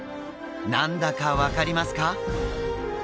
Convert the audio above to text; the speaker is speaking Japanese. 何だか分かりますか？